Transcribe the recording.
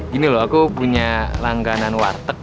gini loh aku punya langganan warteg